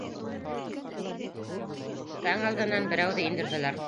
Таң алдынан берәүҙе индерҙеләр.